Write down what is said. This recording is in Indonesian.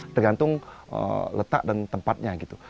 tergantung letak dan tempatnya gitu